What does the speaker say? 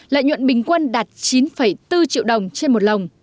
lợi nhuận bình quân đạt chín bốn triệu đồng trên một lồng